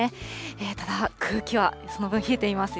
ただ、空気はその分、冷えていますよ。